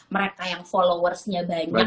mereka yang followersnya banyak